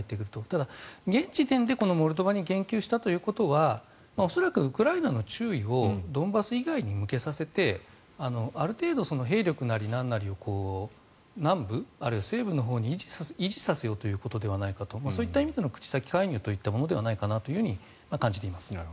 ただ、現時点でモルドバに言及したということは恐らく、ウクライナの注意をドンバス以外に向けさせてある程度、兵力なりなんなりを南部あるいは西部のほうに維持させようということではないかとそういった意味での口先介入といったものではないかなと感じています。